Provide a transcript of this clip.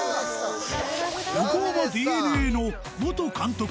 横浜ＤｅＮＡの元監督